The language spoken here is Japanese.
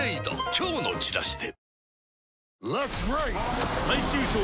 今日のチラシで